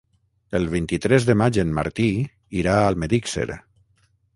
El vint-i-tres de maig en Martí irà a Almedíxer.